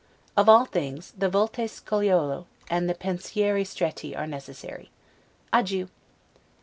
Of all things, the 'volte sciollo', and the 'pensieri stretti', are necessary. Adieu.